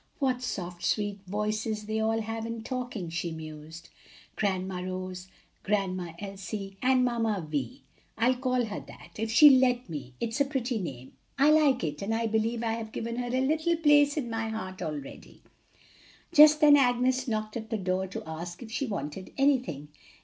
"What soft, sweet voices they all have in talking," she mused. "Grandma Rose, Grandma Elsie, and Mamma Vi. I'll call her that, if she'll let me, it's a pretty name. I like it, and I believe I have given her a little place in my heart already." Just then Agnes knocked at the door to ask if she wanted anything.